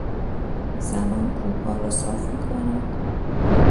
زمان کوهها را صاف میکند.